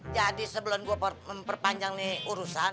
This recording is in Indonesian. jadi sebelum gue memperpanjang nih urusan